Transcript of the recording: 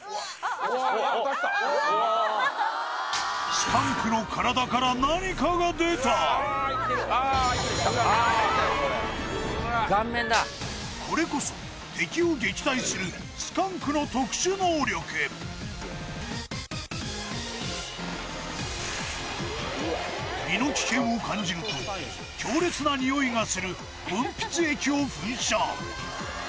スカンクの体から何かが出たこれこそ敵を撃退するスカンクの身の危険を感じると強烈なニオイがする分泌液を噴射